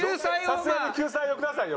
さすがに救済をくださいよ